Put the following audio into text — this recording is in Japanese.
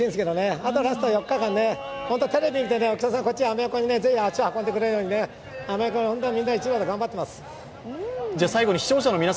あとラスト４日間、テレビを見て、アメ横にぜひ足を運んでくれるようにね、アメ横、みんな一番で頑張ってます